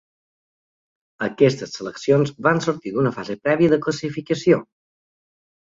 Aquestes seleccions van sortir d'una fase prèvia de classificació.